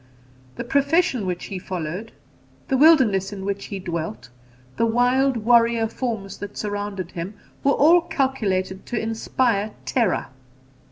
The profession which he followed, the wilderness in which he dwelt, the wild warrior forms that surrounded him, were all calculated to inspire terror.